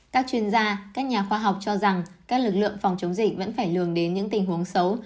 các chuyên gia các nhà khoa học cho rằng các lực lượng phòng chống dịch vẫn phải lường đến những tình huống xấu